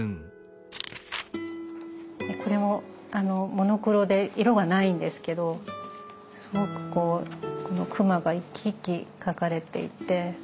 これもモノクロで色がないんですけどすごくこのクマが生き生き描かれていて。